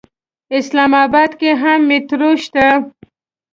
اسلام اباد کې هم مېټرو شته.